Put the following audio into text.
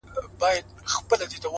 • د مور په نس کي د پیرانو پیر وو ,